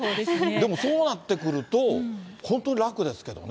でもそうなってくると、本当、楽ですけどね。